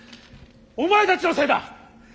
お前たちのせいだ！